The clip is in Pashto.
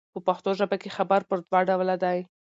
په پښتو ژبه کښي خبر پر دوه ډوله دئ.